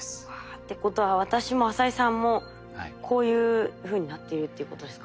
ってことは私も浅井さんもこういうふうになっているっていうことですか？